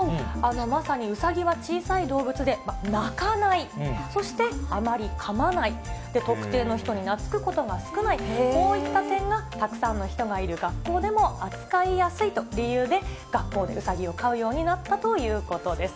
まさにうさぎは小さい動物で、鳴かない、そしてあまりかまない、特定の人に懐くことが少ない、こういった点がたくさんの人がいる学校でも扱いやすいという理由で、学校でうさぎを飼うようになったということです。